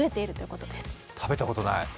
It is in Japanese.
へえ、食べたことない。